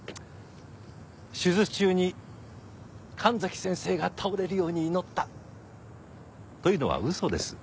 手術中に神崎先生が倒れるように祈ったというのは嘘です。